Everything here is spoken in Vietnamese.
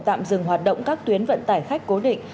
tạm dừng hoạt động các tuyến vận tải khách cố định